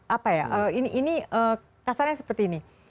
apa ya ini kasarnya seperti ini